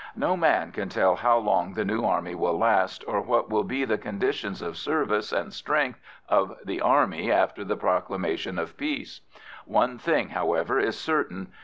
No man can tell how long the new army will last, or what will be the conditions of service and strength of the army after the proclamation of peace. One thing, however, is certain.